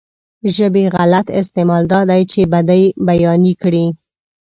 ژبې غلط استعمال دا دی چې بدۍ بيانې کړي.